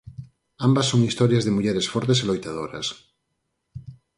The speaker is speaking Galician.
Ambas son historias de mulleres fortes e loitadoras.